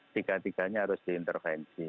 tiga tiganya harus diintervensi